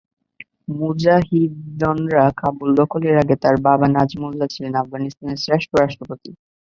মুজাহিদিনরা Kabul দখলের আগে তাঁর বাবা নাজিবুল্লাহ ছিলেন আফগানিস্তানের শেষ রাষ্ট্রপতি।